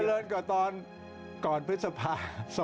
เจริญกับตอนก่อนพฤษภา๒๑๕๗